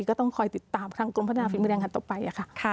ก็ต้องคอยติดตามทางกรมพัฒนาฝีมือแรงกันต่อไปค่ะ